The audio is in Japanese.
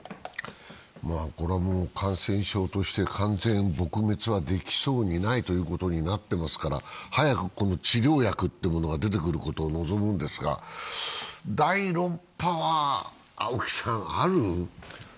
感染症として完全撲滅はできそうにないということになっていますから、早く治療薬というものが出てくることを望むんですが第６波は青木さん、ある？